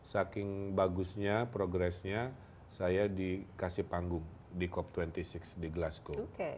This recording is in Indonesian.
saking bagusnya progresnya saya dikasih panggung di cop dua puluh enam di glasgow